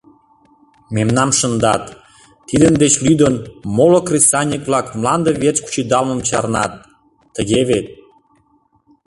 Мемнам шындат, тидын деч лӱдын, моло кресаньык-влак мланде верч кучедалмым чарнат, тыге вет?